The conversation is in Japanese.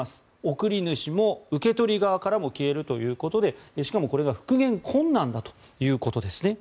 送り主も受け取り側も消えるということでしかも、これが復元困難だということです。